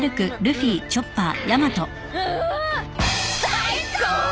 最高！